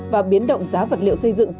và biến động giá vật liệu xây dựng